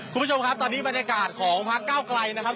คุณผู้ชมครับตอนนี้บรรยากาศของพักเก้าไกลนะครับ